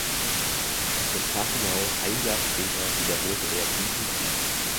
Auf den Tag genau ein Jahr später wiederholte er diesen Sieg.